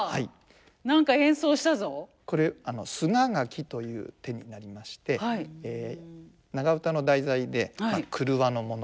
これ「すががき」という手になりまして長唄の題材で廓のもの